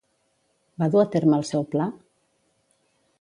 Va dur a terme el seu pla?